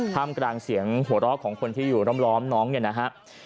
มกลางเสียงหัวเราะของคนที่อยู่ล้อมน้องเนี่ยนะฮะ